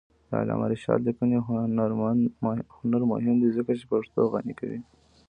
د علامه رشاد لیکنی هنر مهم دی ځکه چې پښتو غني کوي.